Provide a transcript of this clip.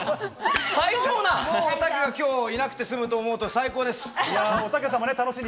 おたけがいなくて済むと思うと最高です。